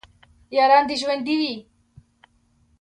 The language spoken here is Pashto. یاران دې ژوندي وي